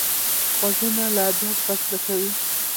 غوږونه له ادب غږ زده کوي